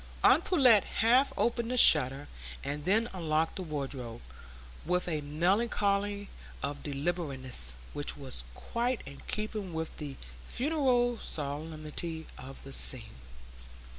Aunt Pullet half opened the shutter and then unlocked the wardrobe, with a melancholy deliberateness which was quite in keeping with the funereal solemnity of the scene.